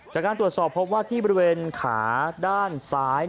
จากการตรวจสอบพบว่าที่บริเวณขาด้านซ้าย